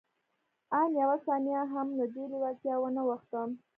آن يوه ثانيه هم له دې لېوالتیا وانه وښتم.